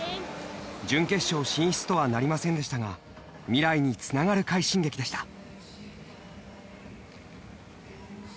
準決勝進出とはなりませんでしたが未来につながる快進撃でした。